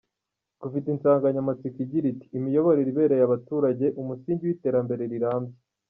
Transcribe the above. Gufite insanganyamatsiko igira iti "Imiyoborere ibereye abaturage, umusingi w’iterambere rirambye.